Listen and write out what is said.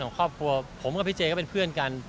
ครอบครัวผมกับพี่เจก็เป็นเพื่อนกัน